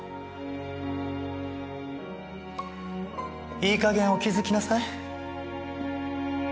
いい加減お気づきなさい。